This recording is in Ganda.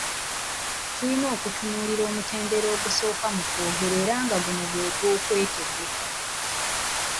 Tulina okutunuulira omutendera ogusooka mu kwogera era nga guno gwe gw’okwetegeka.